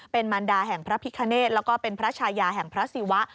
เป็นมันดาแห่งพระพิคเนธแล้วก็เป็นพระชายาแห่งพระศิวะ